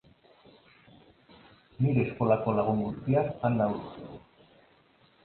Nire eskolako lagun guztiak han daude.